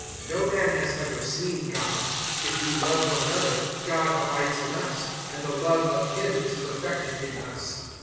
(12)No man has ever seen God. If we love one another, God abides in us, and the love of him is perfected in us.